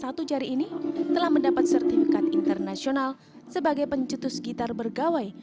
satu jari ini telah mendapat sertifikat internasional sebagai pencetus gitar bergawai